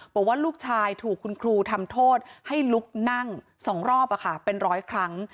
บอกว่าลูกชายถูกคุณครูทำโทษให้ลุกนั่ง๒รอบเป็นร้อยครั้ง